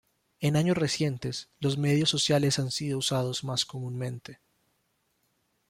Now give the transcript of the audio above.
En años recientes los medios sociales han sido usados más comúnmente.